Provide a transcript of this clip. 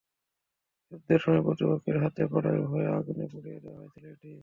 যুদ্ধের সময় প্রতিপক্ষের হাতে পড়ার ভয়ে আগুনে পুড়িয়ে দেওয়া হয়েছিল এটি।